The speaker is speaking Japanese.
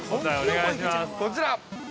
◆こちら。